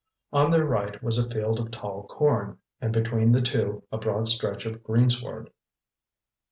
On their right was a field of tall corn, and between the two, a broad stretch of greensward.